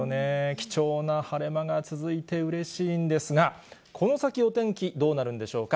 貴重な晴れ間が続いてうれしいんですが、この先、お天気どうなるんでしょうか。